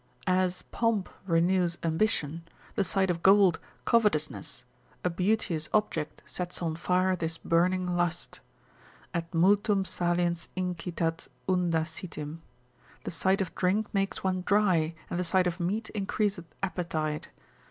As pomp renews ambition; the sight of gold, covetousness; a beauteous object sets on fire this burning lust. Et multum saliens incitat unda sitim. The sight of drink makes one dry, and the sight of meat increaseth appetite.